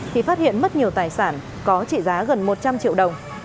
thì phát hiện mất nhiều tài sản có trị giá gần một trăm linh triệu đồng